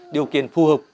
điều kiện phù hợp